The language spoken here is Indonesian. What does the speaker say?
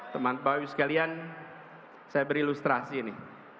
teman teman saya berilustrasi ini